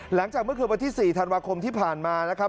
หลังจากเมื่อคืนวันที่๔ธันวาคมที่ผ่านมานะครับ